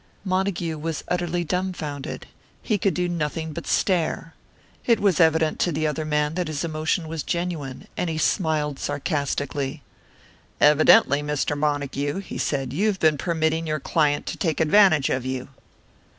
Montague was utterly dumfounded. He could do nothing but stare. It was evident to the other man that his emotion was genuine, and he smiled sarcastically. "Evidently, Mr. Montague," he said, "you have been permitting your client to take advantage of you."